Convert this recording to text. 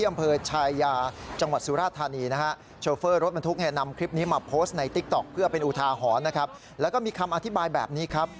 มาอธิบายแบบนี้ครับ